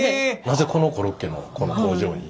なぜこのコロッケのこの工場に？